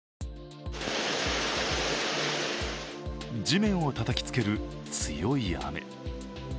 地面をたたきつける強い雨。